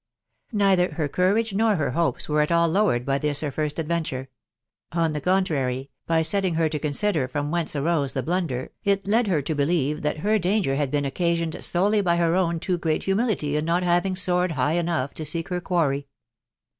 Neither her courage nor her hopes were at all lowered by this her first adventure ; on the contrary, by setting her to consider from whence arose ths blunder, it led her to believe that her chnger had been occa sioned solely by her own too great humility in not having soared high enough to seek her quarry.